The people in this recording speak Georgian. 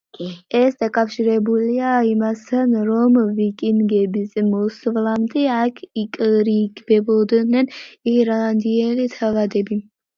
ეს დაკავშირებულია იმასთან, რომ ვიკინგების მოსვლამდე აქ იკრიბებოდნენ ირლანდიელი თავადები.